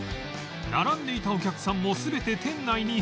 並んでいたお客さんも全て店内に入り